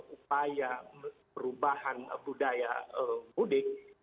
upaya perubahan budaya mudik